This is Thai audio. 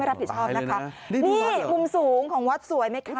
ไม่รับผิดความนะครับนี่มุมสูงของวัดสวยไหมครับ